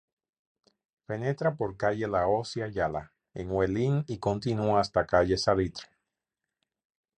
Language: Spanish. Penetra por calle La Hoz y Ayala, en Huelin, y continúa hasta calle Salitre.